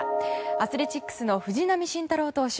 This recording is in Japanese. アスレチックスの藤浪晋太郎投手。